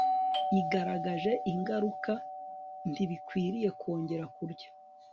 igaragaje ingaruka Ntibikwiriye kongera kurya